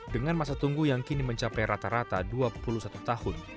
dengan masa tunggu yang kini mencapai rata rata dua puluh satu tahun